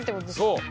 そう！